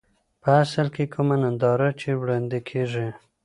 په اصل کې کومه ننداره چې وړاندې کېږي.